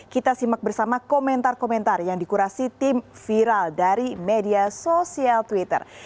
kita simak bersama komentar komentar yang dikurasi tim viral dari media sosial twitter